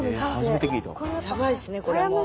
やばいですねこれも。